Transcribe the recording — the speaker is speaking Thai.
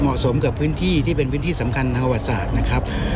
เหมาะสมกับพื้นที่เป็นพื้นที่สำคัญในทางอวกาศนะครับ